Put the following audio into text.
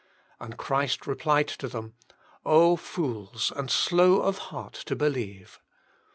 " And Christ re plied to them: <<0h! fools, and slow of heart to believe."